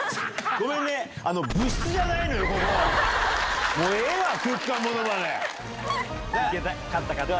ごめんね、部室じゃないのよ、ここは。